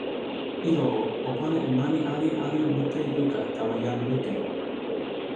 ilo o, o pana e mani ali ali mute luka tawa jan Nuken.